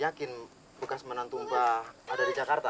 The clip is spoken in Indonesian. yakin bekas menantu mba ada di jakarta